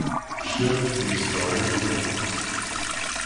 Cceṛ yezdeɣ yal tamurt.